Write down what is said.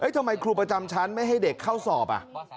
ทำไมครูประจำชั้นไม่ให้เด็กเข้าสอบ